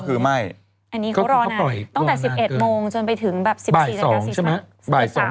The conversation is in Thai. ก็คือไม่อันนี้เขารอน่ะตั้งแต่๑๑โมงจนไปถึงแบบ๑๔๔๕บ๒ใช่ไหม